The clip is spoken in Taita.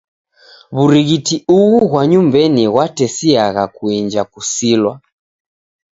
W'urighiti ughu ghwa nyumbenyi ghwatesiagha kuinja kusilwa.